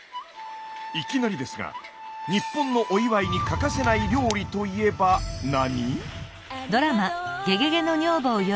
いきなりですが日本のお祝いに欠かせない料理といえば何？